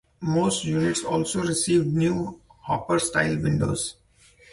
Most units also received new "hopper-style" windows.